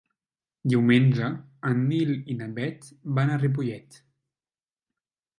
Diumenge en Nil i na Bet van a Ripollet.